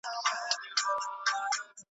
« اختیار به مي د ږیري همېشه د ملا نه وي» .